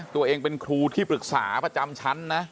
ตัวเองเป็นครูที่ปรึกษาประจำชั้นนะ